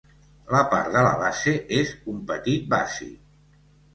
La part de la base és un petit bassi.